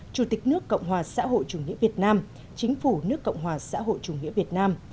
chủ tịch nước cộng hòa xã hội chủ nghĩa việt nam chính phủ nước cộng hòa xã hội chủ nghĩa việt nam